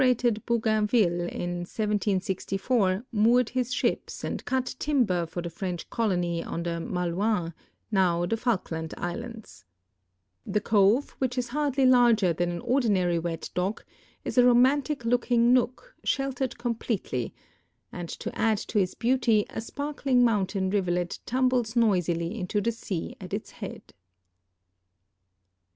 *d ]>ougainville in 1704 moored his ships an<l cut timber for the French colony on the Malouines, now the Falkland islan<ls The cove, which is hardly larger than an ordinary wet dock, is a romantic looking nook, sheltered completely, ;ind to add to its beaut}' a sparkling mountain rivulet tinublcs noisily into the sea at its head.